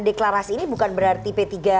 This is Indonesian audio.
deklarasi ini bukan berarti p tiga